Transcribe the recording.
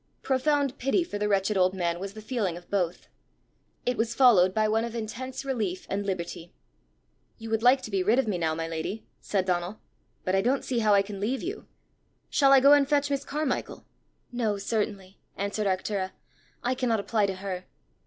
Profound pity for the wretched old man was the feeling of both. It was followed by one of intense relief and liberty. "You would like to be rid of me now, my lady," said Donal; "but I don't see how I can leave you. Shall I go and fetch Miss Carmichael?" "No, certainly," answered Arctura. "I cannot apply to her."